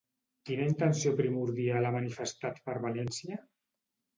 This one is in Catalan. Quina intenció primordial ha manifestat per València?